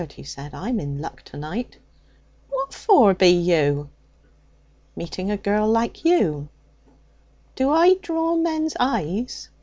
he said, 'I'm in luck to night!' 'What for be you?' 'Meeting a girl like you.' 'Do I draw men's eyes?'